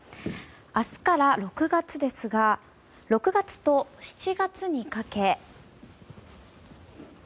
明日から６月ですが６月と７月にかけ。